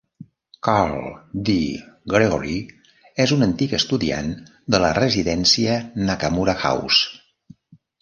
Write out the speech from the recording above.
Karl D. Gregory és un antic estudiant de la residència Nakamura House.